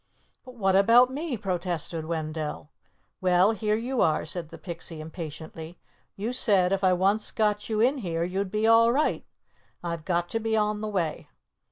"But what about me?" protested Wendell. "Well, here you are," said the Pixie impatiently. "You said if I once got you in here, you'd be all right. I've got to be on the way."